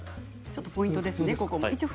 ちょっとポイントですね